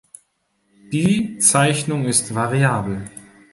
Die Zeichnung ist variabel.